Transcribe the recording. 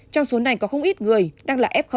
trong số này có không ít người đang là f